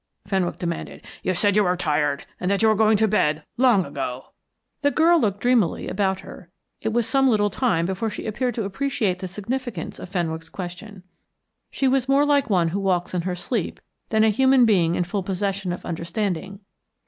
Fenwick demanded. "You said you were tired, and that you were going to bed, long ago." The girl looked dreamily about her; it was some little time before she appeared to appreciate the significance of Fenwick's question. She was more like one who walks in her sleep than a human being in the full possession of understanding.